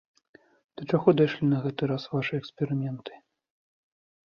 Да чаго дайшлі на гэты раз вашы эксперыменты?